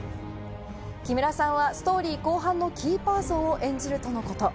木村さんはストーリー後半のキーパーソンを演じるとのこと。